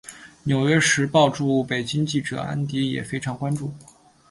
纽约时报驻北京记者安迪也非常关切。